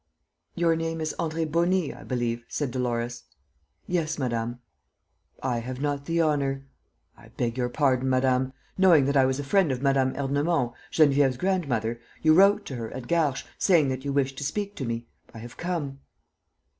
"Your name is André Beauny, I believe?" said Dolores. "Yes, madame." "I have not the honor ..." "I beg your pardon, madame. Knowing that I was a friend of Mme. Ernemont, Geneviève's grandmother, you wrote to her, at Garches, saying that you wished to speak to me. I have come."